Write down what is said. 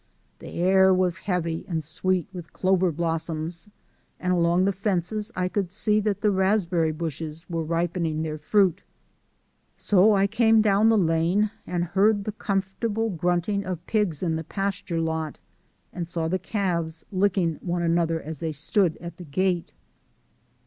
The air was heavy and sweet with clover blossoms, and along the fences I could see that the raspberry bushes were ripening their fruit. So I came down the lane and heard the comfortable grunting of pigs in the pasture lot and saw the calves licking one another as they stood at the gate.